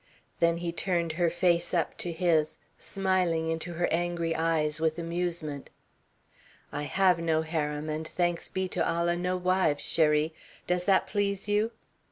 Then he turned her face up to his, smiling into her angry eyes with amusement. "I have no harem and, thanks be to Allah, no wives, cherie. Does that please you?"